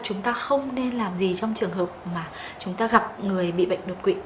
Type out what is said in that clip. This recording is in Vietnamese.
chúng ta không nên làm gì trong trường hợp mà chúng ta gặp người bị bệnh đột quỵ